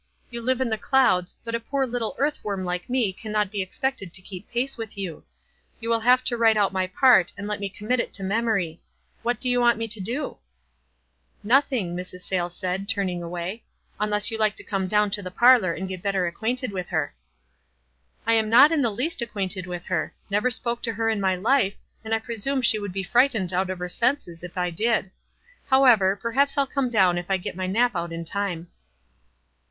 " You live in the clouds, but a poor little earth worm like me cannot be ex pected to keep pace with you. You will have to w T rite out my part, and let me commit it to memory. What do you want me to do ?" "Nothing," Mrs. Sayles said, turning away; "unless you like to come down to the parlor and get better acquainted with her." " I am not in the least acquainted with her. Never spoke to her in my life, and I presume she would be frightened out of her senses if I did. However, perhaps I'll come down if I get my nap out in time."